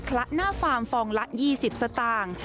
ละหน้าฟาร์มฟองละ๒๐สตางค์